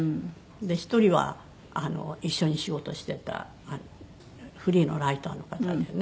１人は一緒に仕事してたフリーのライターの方でね。